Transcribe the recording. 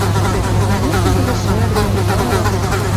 Но ужде тӹдӹ шӹргӹм, нырым —